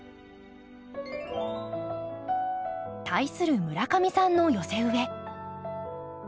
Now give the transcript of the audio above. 対する村上さんの寄せ植え。